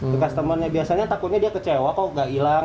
ke customer nya biasanya takutnya dia kecewa kok gak ilang